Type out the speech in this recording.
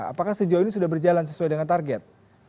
apakah sejauh ini sudah berjalan sesuai dengan target